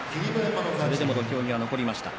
それでも土俵際、残りました。